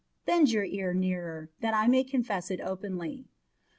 Bend your ear nearer, that I may confess it openly."